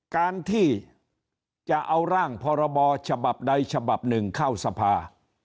การที่จะเอาร่างพรบฉบับใดฉบับหนึ่งเข้าสภา